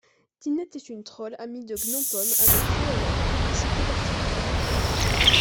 Tyneth est une trolle, amie de Gnondpom, avec qui elle a une complicité particulière.